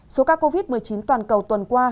số ca covid một mươi chín toàn cầu tuần qua